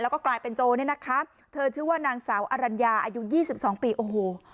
แล้วก็กลายเป็นโจเนี่ยนะคะเธอชื่อว่านางสาวอรัญญาอายุยี่สิบสองปีโอ้โห